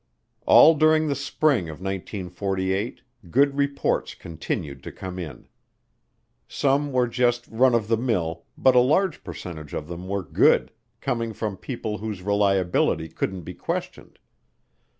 All during the spring of 1948 good reports continued to come in. Some were just run of the mill but a large percentage of them were good, coming from people whose reliability couldn't be questioned.